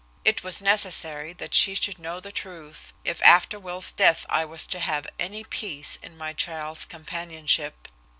It was necessary that she should know the truth, if after Will's death I was to have any peace in my child's companionship.